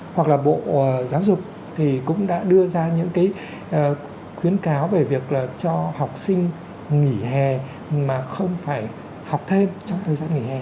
hoặc là bộ giáo dục thì cũng đã đưa ra những cái khuyến cáo về việc là cho học sinh nghỉ hè mà không phải học thêm trong thời gian nghỉ hè